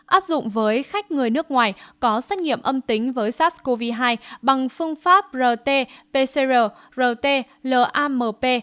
áp dụng với khách người nước ngoài có xét nghiệm âm tính với sars cov hai bằng phương pháp rt pcr rt lamp